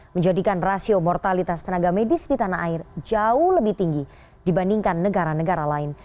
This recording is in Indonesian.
menjadikan rasio mortalitas tenaga medis di tanah air jauh lebih tinggi dibandingkan negara negara lain